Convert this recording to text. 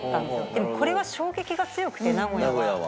でもこれは衝撃が強くて名古屋は。